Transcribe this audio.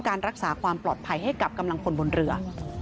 การรักษาความปลอดภัยให้กับกำลังพลบนเรือ